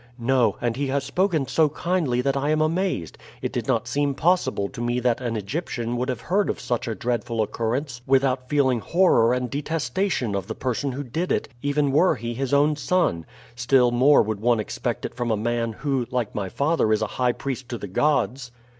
"No; and he has spoken so kindly that I am amazed. It did not seem possible to me that an Egyptian would have heard of such a dreadful occurrence without feeling horror and destation of the person who did it, even were he his own son. Still more would one expect it from a man who, like my father, is a high priest to the gods."